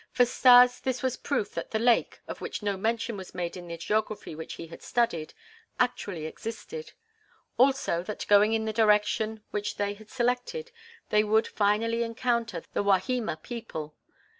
For Stas this was proof that the lake, of which no mention was made in the geography which he had studied, actually existed; also, that going in the direction which they had selected, they would finally encounter the Wahima people.